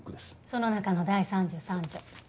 その中の第３３条。